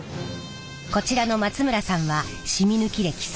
こちらの松村さんはしみ抜き歴３０年！